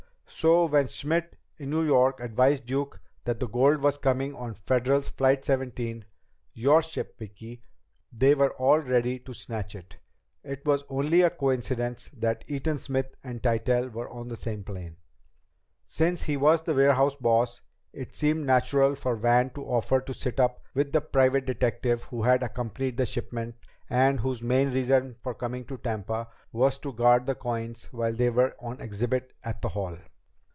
So when Schmidt in New York advised Duke that the gold was coming on Federal's Flight Seventeen your ship, Vicki they were all ready to snatch it. It was only a coincidence that Eaton Smith and Tytell were on the same plane. "Since he was the warehouse boss, it seemed natural for Van to offer to sit up with the private detective who had accompanied the shipment and whose main reason for coming to Tampa was to guard the coins while they were on exhibit at the Hall.